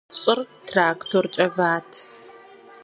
Щӏыр тракторкӏэ ват.